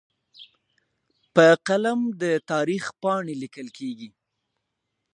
په قلم د تاریخ پاڼې لیکل کېږي.